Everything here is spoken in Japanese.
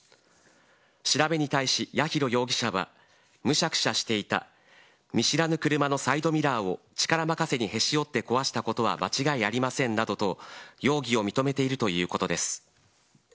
調べに対し、八尋容疑者はむしゃくしゃしていた、見知らぬ車のサイドミラーを、力任せにへし折って壊したことは間違いありませんなどと、容疑を認めているということです。